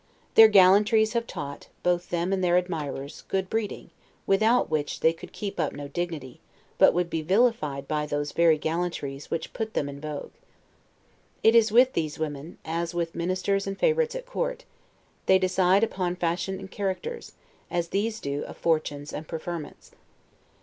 Their gallantries have taught, both them and their admirers, good breeding; without which they could keep up no dignity, but would be vilified by those very gallantries which put them in vogue. It is with these women, as with ministers and favorites at court; they decide upon fashion and characters, as these do of fortunes and preferments.